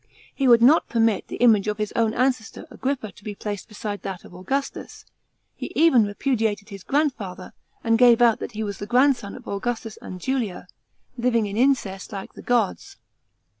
He would not permit the image of his own ancestor Agrippa to be placed beside that of Augustus ; he even repudiated his grandfather, and gave out that he was the grandson of Augustus and Julia, living in incest like the gods.